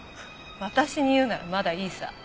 私に言うならまだいいさ。